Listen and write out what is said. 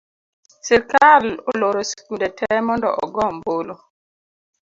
Sirikal oloro sikunde tee mondo ogoo ombulu